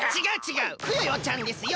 クヨヨちゃんですよ